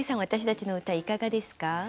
私たちの歌いかがですか？